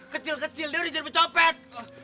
kecil kecil dia udah jadi copet